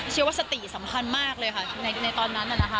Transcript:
เชื่อว่าสติสำคัญมากเลยค่ะในตอนนั้นน่ะนะคะ